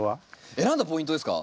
選んだポイントですか？